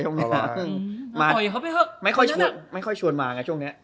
แล้วไม่ค่อยชวนมาก็ช่อยเลย